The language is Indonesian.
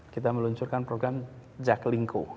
kita meluncurkan program jaklingko